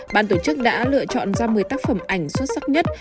ban tổ chức đã lựa chọn ra một mươi tác phẩm ảnh xuất sắc nhất